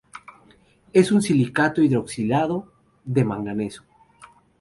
Es un silicato hidroxilado de manganeso.